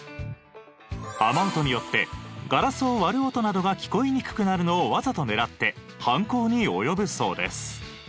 雨音によってガラスを割る音などが聞こえにくくなるのをわざと狙って犯行に及ぶそうです。